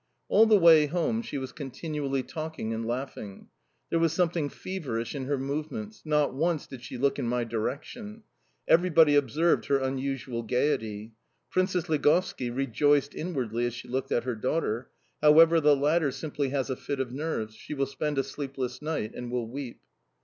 All the way home she was continually talking and laughing. There was something feverish in her movements; not once did she look in my direction. Everybody observed her unusual gaiety. Princess Ligovski rejoiced inwardly as she looked at her daughter. However, the latter simply has a fit of nerves: she will spend a sleepless night, and will weep.